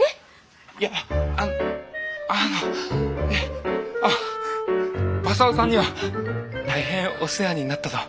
いやあのえっあっまさをさんには大変お世話になったと。